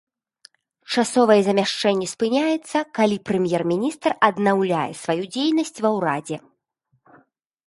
Часовае замяшчэнне спыняецца, калі прэм'ер-міністр аднаўляе сваю дзейнасць ва ўрадзе.